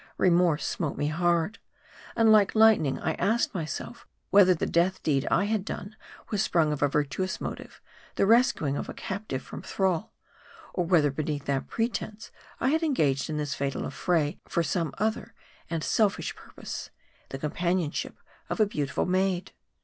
Remorse smote me hard ; and like lightning I asked myself, whether the death deed I had done was sprung of a virtuous motive, the res cuing a captive from thrall ; or whether beneath that pre tense, I had engaged in this fatal affray for some other, and selfish purpose ; the companionship of a beautiful maid.